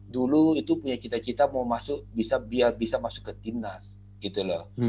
dulu itu punya cita cita mau masuk biar bisa masuk ke timnas gitu loh